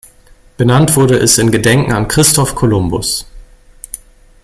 Benannt wurde es in Gedenken an Christoph Kolumbus.